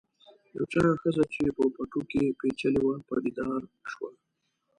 یوه چاغه ښځه چې په پټو کې پیچلې وه پدیدار شوه.